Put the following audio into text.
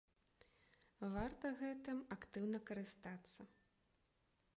Варта гэтым актыўна карыстацца.